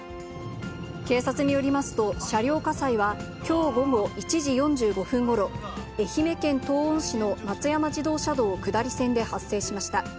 警察によりますと、車両火災はきょう午後１時４５分ごろ、愛媛県東温市の松山自動車道下り線で発生しました。